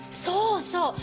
そうそう！